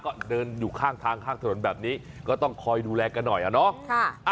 ก็เดินอยู่ข้างทางข้างถนนแบบนี้ก็ต้องคอยดูแลกันหน่อยอะเนาะ